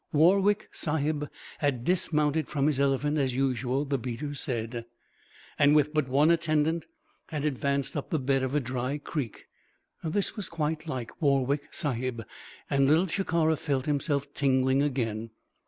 Warwick Sahib had dismounted from his elephant as usual, the beaters said, and with but one attendant had advanced up the bed of a dry creek. This was quite like Warwick Sahib, and Little Shikara felt himself tingling again.